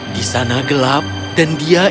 di sana gelap dan dia ingin tempat kudanya